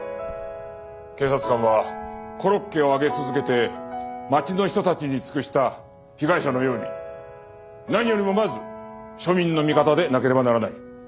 警察官はコロッケを揚げ続けて町の人たちに尽くした被害者のように何よりもまず庶民の味方でなければならない。